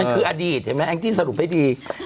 มันคืออดีตเห็นไหมอังกฤษสรุปให้ดี